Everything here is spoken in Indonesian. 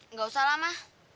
nggak usah lama